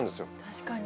確かに。